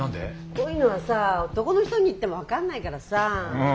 こういうのはさあ男の人に言っても分かんないからさあ。